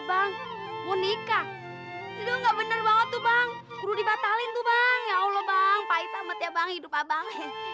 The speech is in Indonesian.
bang mau nikah itu enggak bener banget tuh bang guru dibatalin tuh bang ya allah bang